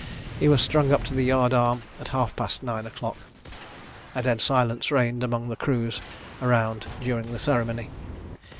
He was strung up to the yard arm at half past nine o'clock. A dead silence reigned among the crews around during the ceremony.